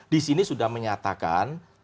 di sini sudah menyatakan dua ratus empat puluh lima